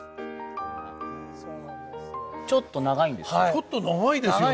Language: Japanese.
ちょっと長いですね。